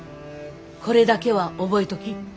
これだけは覚えとき。